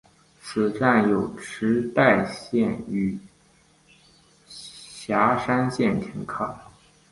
此站有池袋线与狭山线停靠。